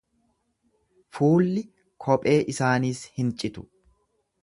Fuulli kophee isaaniis hin citu.